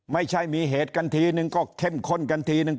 ไม่ใช่มีเหตุกันทีนึงก็เข้มข้นกันทีนึง